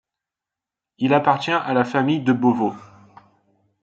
Il appartient à la famille de Beauvau.